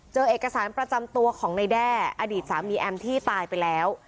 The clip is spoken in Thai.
เอกสารประจำตัวของในแด้อดีตสามีแอมที่ตายไปแล้ว